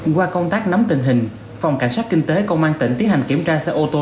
qua công tác nắm tình hình phòng cảnh sát kinh tế công an tỉnh tiến hành kiểm tra xe ô tô